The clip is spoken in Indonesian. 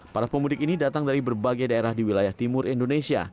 para pemudik ini datang dari berbagai daerah di wilayah timur indonesia